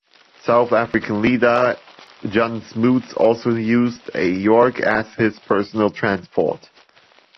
South African leader Jan Smuts also used a York as his personal transport.